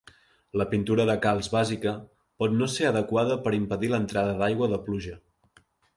La pintura de calç bàsica pot no ser adequada per impedir l'entrada d'aigua de pluja.